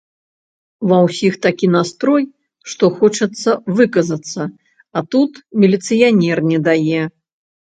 Ва ўсіх такі настрой, што хочацца выказацца, а тут міліцыянер не дае.